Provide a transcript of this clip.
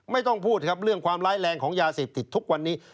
ไม่ต้องพูดครับเรื่องความร้ายแรงของยาเสพติดทุกวันนี้